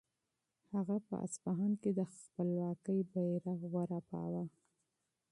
هغه په اصفهان کې د خپلواکۍ بیرغ رپاند کړ.